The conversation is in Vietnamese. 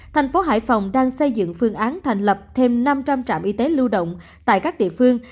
thành phố hải phòng đang xây dựng phương án thành lập thêm năm trăm linh trạm y tế lưu động tại các địa phương